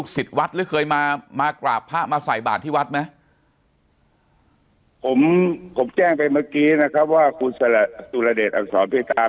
วัดหรือเคยมามากราบพระมาใส่บาทที่วัดไหมผมผมแจ้งไปเมื่อกี้นะครับว่าคุณสุรเดชอักษรเพตา